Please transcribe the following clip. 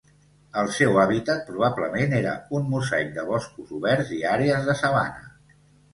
El seu hàbitat probablement era un mosaic de boscos oberts i àrees de sabana.